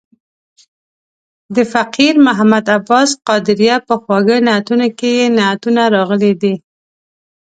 د فقیر محمد عباس قادریه په خواږه نعتونه کې یې نعتونه راغلي دي.